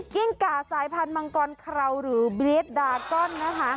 กิ้งกาสายพันธุ์มังกรคราวหรือเบรดดาต้อน